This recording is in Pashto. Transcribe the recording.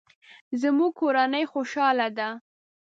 زموږ کورنۍ خوشحاله ده